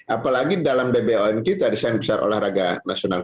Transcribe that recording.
apalagi dalam dbon kita desain besar olahraga nasional